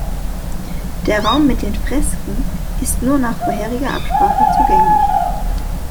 Der Raum mit den Fresken ist nur nach vorheriger Absprache zugänglich.